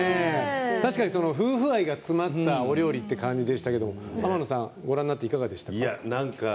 確かに夫婦愛が詰まったお料理って感じでしたけど天野さん、ご覧になっていかがでしたか？